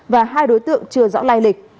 và hai đối tượng chưa rõ lai lịch